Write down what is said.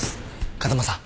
風間さん。